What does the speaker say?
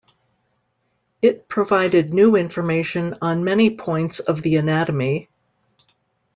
It provided new information on many points of the anatomy.